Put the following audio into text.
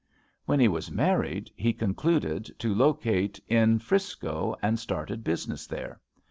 When he was married, he concluded to locate in 'Frisco, and started business there.